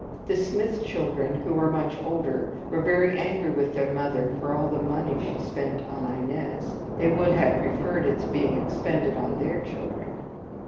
The Smith children, who were much older, were very angry with their mother for all the money she spent on Inez they would have preferred its being expended on their children.